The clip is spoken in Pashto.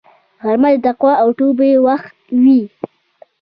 غرمه د تقوا او توبې وخت وي